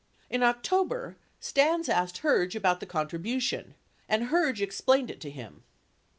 In October, Stans asked Herge about the con tribution, and Herge explained it to him.